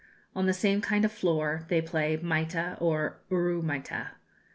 On the same kind of floor they play maita, or uru maita.